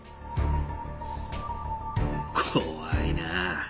怖いなあ。